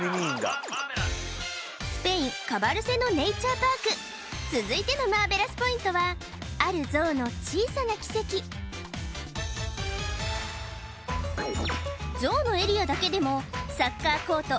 スペインカバルセノ・ネイチャー・パーク続いてのマーベラスポイントはあるゾウの小さな奇跡ゾウのエリアだけでもサッカーコート